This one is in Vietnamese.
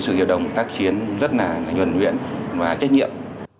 sự hiệp đồng tác chiến rất là nhuận nguyện và trách nhiệm